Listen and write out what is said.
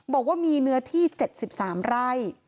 บอกว่ามีเนื้อที่๗๓ไร่